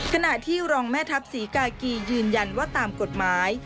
ขณะที่รองแม่ทัพศรีกากียืนยันว่าตามกฎหมาย